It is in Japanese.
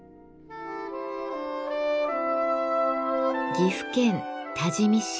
岐阜県多治見市。